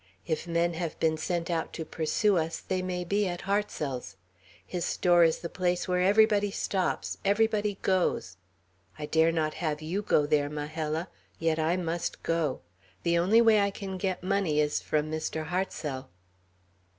If men have been sent out to pursue us, they may be at Hartsel's. His store is the place where everybody stops, everybody goes. I dare not have you go there, Majella; yet I must go. The only way I can get any money is from Mr. Hartsel."